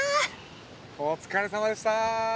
お疲れさまでした。